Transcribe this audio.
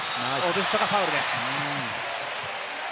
オブストのファウルです。